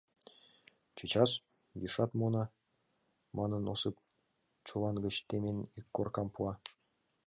— Чечас, йӱашат муына, — манын, Осып, чулан гыч темен, ик коркам пуа.